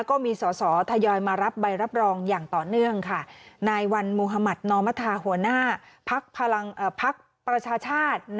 ก็มีส่อทยอยมารับใบรับรองอย่างต่อเนื่องค่ะ